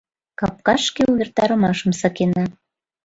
— Капкашке увертарымашым сакена.